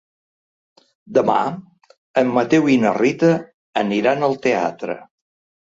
Demà en Mateu i na Rita aniran al teatre.